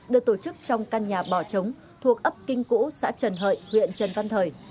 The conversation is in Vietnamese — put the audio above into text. được tổ chức trong căn nhà bò trống thuộc ấp kinh cũ xã trần hợi huyện trần văn thời